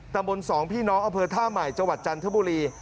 บนสองพี่น้องอำเภอท่าใหม่จังหวัดจันทบุรี